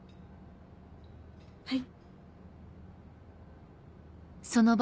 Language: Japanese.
はい。